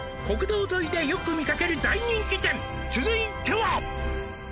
「国道沿いでよく見かける大人気店続いては」